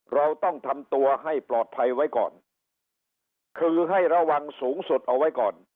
เราต้องทำตัวให้ปลอดภัยไว้ก่อนคือให้ระวังสูงสุดเอาไว้ก่อน